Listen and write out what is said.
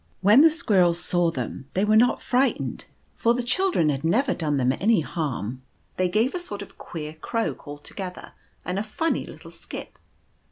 When the squirrels saw them they were not fright ened, for the children had never done them any harm. They gave a sort of queer croak all together, and a funny little skip.